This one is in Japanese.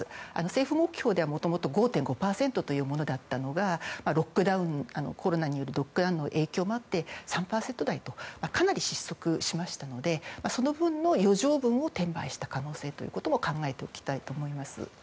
政府目標ではもともと５．５％というものだったのがコロナによるロックダウンの影響もあって３％台というかなり失速しましたのでその分の余剰分を転売した可能性というのも考えておきたいと思います。